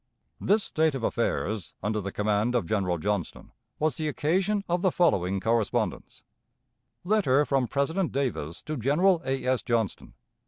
This state of affairs, under the command of General Johnston, was the occasion of the following correspondence: _Letter from President Davis to General A. S. Johnston.